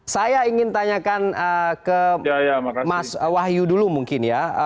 saya ingin tanyakan ke mas wahyu dulu mungkin ya